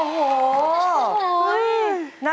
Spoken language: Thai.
สวัสดีค่ะ